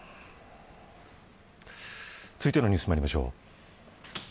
続いてのニュースまいりましょう。